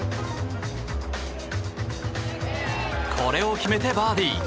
これを決めてバーディー。